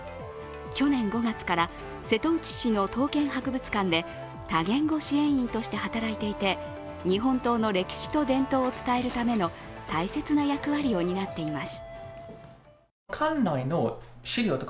去年５月から瀬戸内市の刀剣博物館で多言語支援員として働いていて日本刀の歴史と伝統を伝えるための大切な役割を担っています。